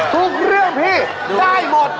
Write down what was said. ทุกเรื่องพี่ได้หมด